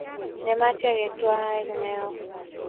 nematia keetwa aek neo